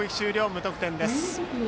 無得点です。